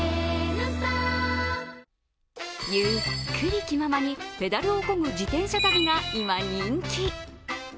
ゆっくり気ままにペダルをこぐ自転車旅が、今、人気。